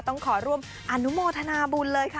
ต้องขอร่วมอนุโมทนาบุญเลยค่ะ